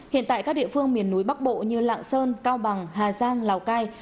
hiện tại các địa phương miền núi bắc bộ như lạng sơn cao bằng hà giang lào cai